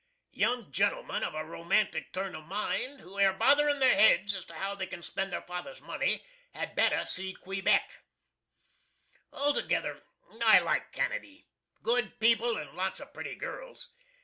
Young gentlemen of a romantic turn of mind, who air botherin' their heads as to how they can spend their father's money, had better see Quebeck. Altogether I like Canady. Good people and lots of pretty girls.